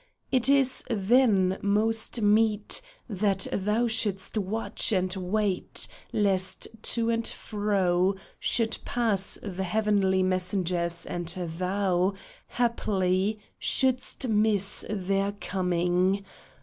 It is then most meet That thou shouldst watch and wait, lest to and fro Should pass the heavenly messengers and thou, Haply, shouldst miss their coming.